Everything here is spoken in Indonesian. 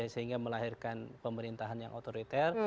sehingga melahirkan pemerintahan yang otoriter